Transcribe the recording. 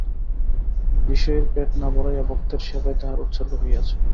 বিষয়ীর পেট না ভরাইয়া ভক্তের সেবায় তাহার উৎসর্গ হইয়াছে।